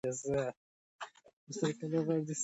هغه د خپل وخت د ستونزو په اړه رښتیني لیکنې کړي.